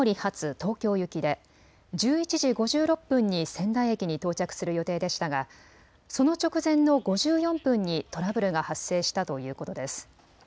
東京行きで１１時５６分に仙台駅に到着する予定でしたがその直前の５４分にトラブルが発生したということです。